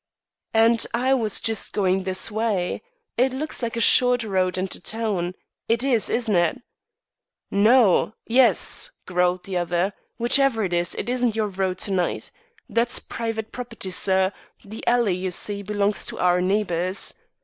"And I was just going this way. It looks like a short road into town. It is, isn't it?" "No! Yes," growled the other. "Whichever it is, it isn't your road to night. That's private property, sir. The alley you see, belongs to our neighbours.